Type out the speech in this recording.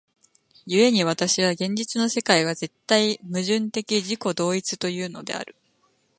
故に私は現実の世界は絶対矛盾的自己同一というのである。